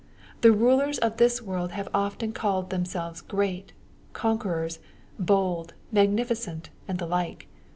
The rulers of this world have often called themselves Great, Conquerors, Bold, Magnificent, and the like.